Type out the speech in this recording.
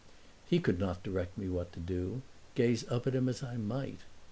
He could not direct me what to do, gaze up at him as I might.